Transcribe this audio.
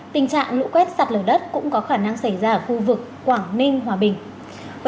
tình trạng lũ quét sạt lở đất cũng có khả năng xảy ra ở khu vực quảng ninh hòa bình